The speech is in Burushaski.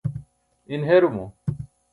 in herumo